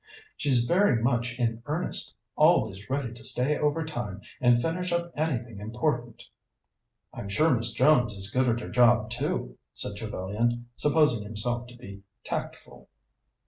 "She's very much in earnest, always ready to stay overtime and finish up anything important." "I'm sure Miss Jones is good at her job, too," said Trevellyan, supposing himself to be tactful.